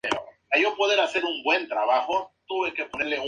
Treinta personas perdieron la vida.